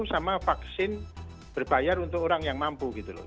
sama vaksin berbayar untuk orang yang mampu gitu loh